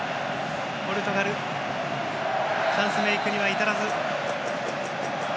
ポルトガルチャンスメイクには至らず。